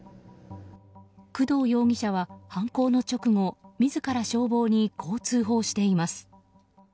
工藤容疑者は犯行の直後自ら消防にこう通報しています。